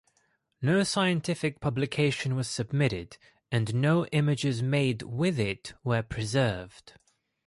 No scientific publication was submitted and no images made with it were preserved.